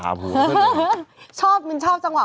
กลัวค่ะว่าเขาแอบไปให้ใครใช้หรือเปล่าใช่ค่ะเอ็งเอาไปให้ใครใช้ฮะ